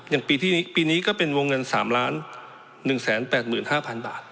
ปีนี้ก็เป็นวงเงิน๓๑๘๕๐๐๐บาท